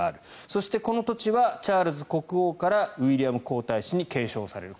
そしてこの土地はチャールズ国王からウィリアム皇太子に継承される。